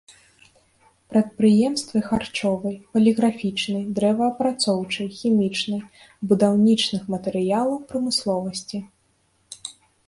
Прадпрыемствы харчовай, паліграфічнай, дрэваапрацоўчай, хімічнай, будаўнічых матэрыялаў прамысловасці.